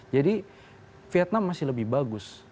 jadi vietnam masih lebih bagus